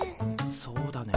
そうだね。